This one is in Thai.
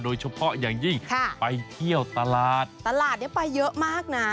โดยเฉพาะอย่างยิ่งไปเที่ยวตลาดตลาดนี้ไปเยอะมากนะ